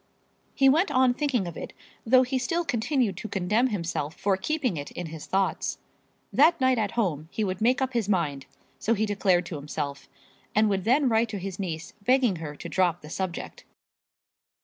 He went on thinking of it, though he still continued to condemn himself for keeping it in his thoughts. That night at home he would make up his mind, so he declared to himself; and would then write to his niece begging her to drop the subject.